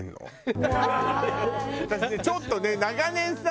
ちょっとね長年さ